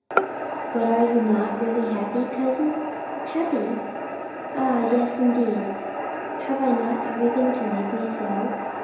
"But are you not really happy, cousin?" "Happy? Ah yes, indeed! Have I not everything to make me so?